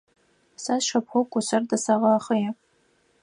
Сэ сшыпхъу кушъэр дэсэгъэхъые.